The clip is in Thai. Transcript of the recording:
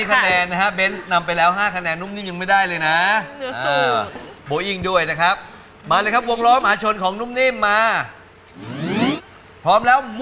ก็ลองดูนะว่า๑๐จะได้๒เหรียดหรือเปล่านะครับหมายเลข๑๐ใช้ป่ะครับ